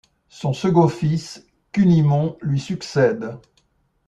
Son second fils Cunimond lui succède.